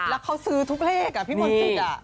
แล้วเขาซื้อทุกเลขอ่ะพี่มนตร์สิทธิ์อ่ะ